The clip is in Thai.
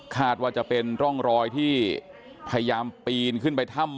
ว่าจะเป็นร่องรอยที่พยายามปีนขึ้นไปถ้ำ